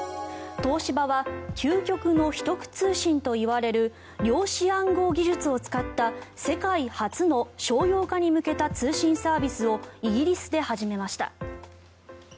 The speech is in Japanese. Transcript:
東芝は究極の秘匿通信といわれる量子暗号技術を使った世界初の商用化に向けた通信サービスをイギリスで始めました。